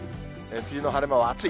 梅雨の晴れ間は暑い。